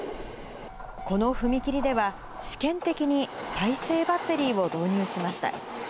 この踏切では、試験的に再生バッテリーを導入しました。